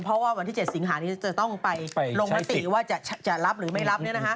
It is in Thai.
เพราะว่าวันที่๗สิงหานี้จะต้องไปลงมติว่าจะรับหรือไม่รับ